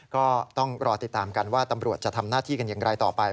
ก็ต้องรอติดตามกันว่าตำรวจจะทำหน้าที่กันอย่างไรต่อไป